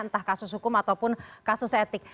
entah kasus hukum ataupun kasus etik